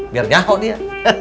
biar nyaho dia